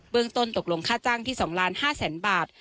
เบื้องต้นตกลงค่าจังที่๒๕๐๐๐๐๐บาท